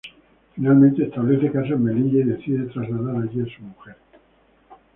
Finalmente establece casa en Melilla y decide trasladar allí a su mujer.